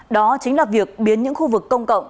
đó chính là việc biến những khu vực công cộng